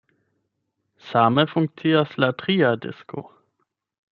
Same funkcias la tria disko.